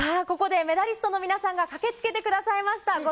ここでメダリストの皆さんが駆けつけてくださいました。